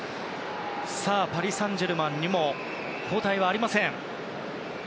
パリ・サンジェルマンにも交代はありません。